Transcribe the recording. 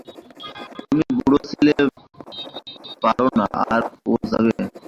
তুমি বুড়ো ছেলে পারো না, আর ও যাবে?